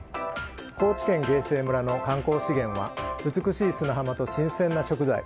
高知県芸西村の観光資源は美しい砂浜と新鮮な食材。